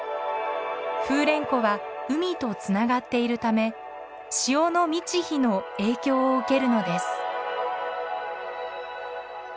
風蓮湖は海とつながっているため潮の満ち干の影響を受けるのです。